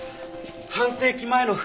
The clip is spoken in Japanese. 半世紀前の服。